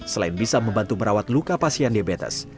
selain bisa membantu merawat luka pasien diabetes